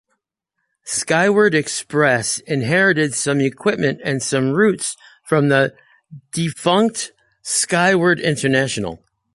Skyward Express inherited some equipment and some routes from the defunct "Skyward International Aviation".